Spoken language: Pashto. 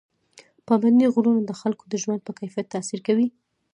پابندي غرونه د خلکو د ژوند په کیفیت تاثیر کوي.